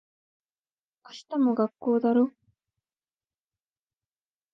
明日も学校だろ。